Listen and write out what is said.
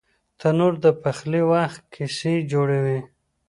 تنور د پخلي وخت کیسې جوړوي